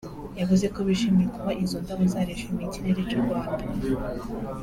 yavuze ko bishimishije kuba izo ndabo zarishimiye ikirere cy’u Rwanda